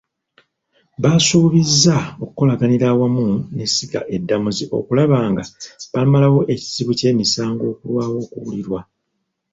Baasuubizza okukolaganira awamu n'essiga eddamuzi okulaba nga bamalawo ekizibu ky'emisango okulwawo okuwulirwa.